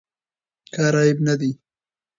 کار عیب نه دی.